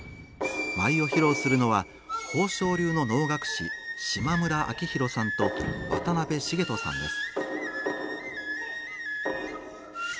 舞を披露するのは宝生流の能楽師島村明宏さんと渡邊茂人さんです。